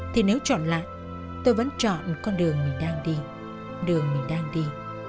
thì nếu chọn lại tôi vẫn chọn con đường mình đang đi đường mình đang đi